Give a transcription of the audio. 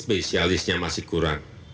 spesialisnya masih kurang